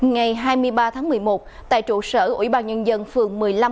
ngày hai mươi ba tháng một mươi một tại trụ sở ủy ban nhân dân phường một mươi năm